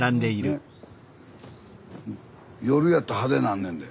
夜やと派手なんねんで。